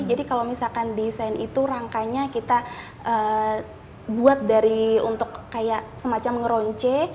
kalau misalkan desain itu rangkanya kita buat dari untuk kayak semacam ngeronce